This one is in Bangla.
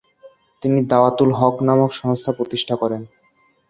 তিনি দাওয়াতুল হক নামক সংস্থা প্রতিষ্ঠা করেন।